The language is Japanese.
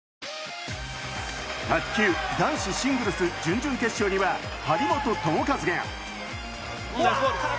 卓球男子シングルス準々決勝には張本智和が。